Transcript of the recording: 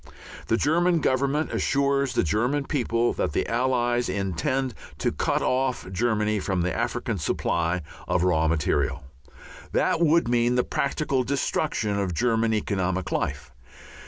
The German Government assures the German people that the Allies intend to cut off Germany from the African supply of raw material. That would mean the practical destruction of German economic life.